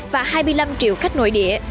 và hai mươi năm triệu khách nội địa